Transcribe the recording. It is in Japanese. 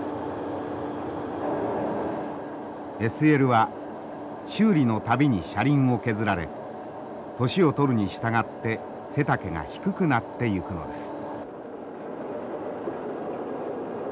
ＳＬは修理の度に車輪を削られ年を取るに従って背丈が低くなっていくのです。